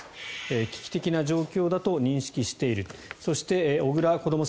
危機的な状況だと認識しているそして小倉こども